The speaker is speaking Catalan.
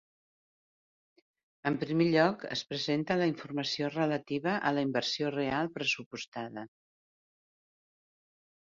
En primer lloc, es presenta la informació relativa a la inversió real pressupostada.